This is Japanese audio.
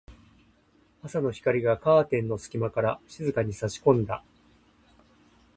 朝の光がカーテンの隙間から静かに差し込んだ。